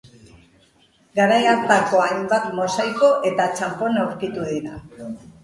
Garai hartako hainbat mosaiko eta txanpon aurkitu dira.